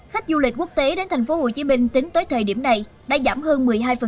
khách du lịch quốc tế đến thành phố hồ chí minh tính tới thời điểm này đã giảm hơn một mươi hai